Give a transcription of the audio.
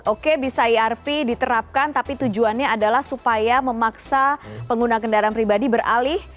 oke bisa irp diterapkan tapi tujuannya adalah supaya memaksa pengguna kendaraan pribadi beralih